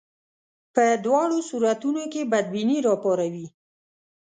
په دواړو صورتونو کې بدبیني راپاروي.